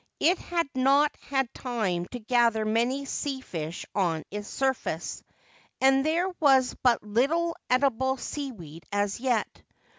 It had not had time to gather many shell fish on its surface, and there was but little edible seaweed as yet.